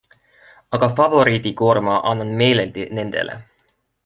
Aga favoriidikoorma annan meeleldi nendele.